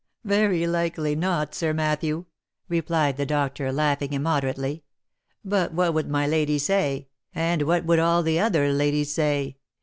" Very likely not, Sir Matthew," replied the doctor, laughing im MICHAEL ARMSTRONG. 117 moderately. " But what would my lady say ? And what would all the other ladies say